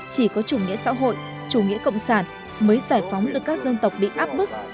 chỉ có chủ nghĩa xã hội chủ nghĩa cộng sản mới giải phóng được các dân tộc bị áp bức